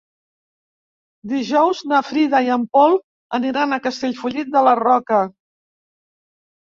Dijous na Frida i en Pol aniran a Castellfollit de la Roca.